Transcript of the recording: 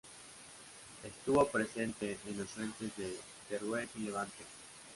Estuvo presente en los frentes de Teruel y Levante.